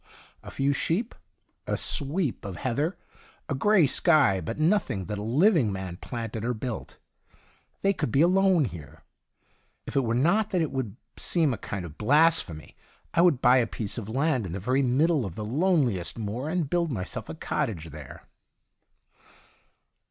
A few sheep, a sweep of heather, a gray sky, but nothing that a living man planted or built. They could be alone here. If it were not that it would seem a kind of blasphemy, I would buy a piece of land in the very middle of the loneliest moor and build myself a cottage there.